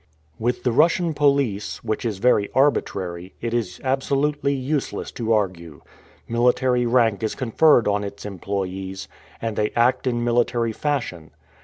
With the Russian police, which is very arbitrary, it is absolutely useless to argue. Military rank is conferred on its employees, and they act in military fashion.